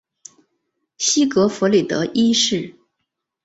西格弗里德一世。